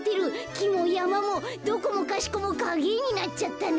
きもやまもどこもかしこもかげえになっちゃったな。